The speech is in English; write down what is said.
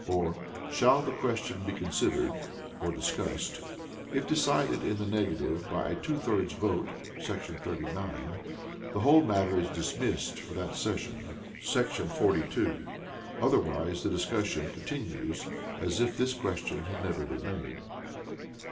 or, "Shall the question be considered" [or discussed]? If decided in the negative by a two thirds vote [§ 39], the whole matter is dismissed for that session [§ 42]; otherwise the discussion continues as if this question had never been made.